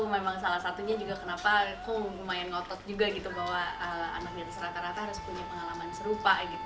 memang salah satunya juga kenapa kok lumayan ngotot juga gitu bahwa anak di atas rata rata harus punya pengalaman serupa gitu